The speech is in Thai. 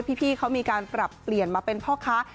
พี่เขามีการปรับเปลี่ยนมาเป็นพ่อค้า